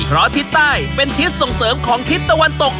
เพราะทิศใต้เป็นทิศส่งเสริมของทิศตะวันตก